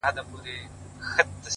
o زما مرور فکر به څه لفظونه وشرنگوي،